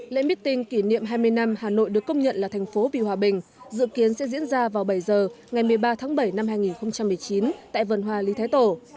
lễ meeting kỷ niệm hai mươi năm hà nội được công nhận là thành phố vì hòa bình dự kiến sẽ diễn ra vào bảy giờ ngày một mươi ba tháng bảy năm hai nghìn một mươi chín tại vườn hoa lý thái tổ